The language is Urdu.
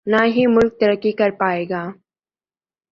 نہ ہی ملک ترقی کر پائے گا۔